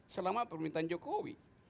selama permintaan jokowi